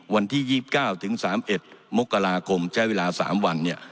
วันที่๒๙๓๑มกราคมช่าวิกษา๓วัน